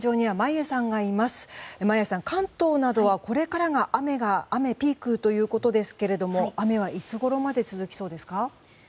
眞家さん、関東などはこれから雨がピークということですが雨はいつごろまで続きそうですか？